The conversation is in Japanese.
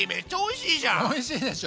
おいしいでしょ。